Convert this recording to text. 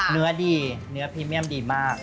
เนื้อดีเนื้อพรีเมียมดีมาก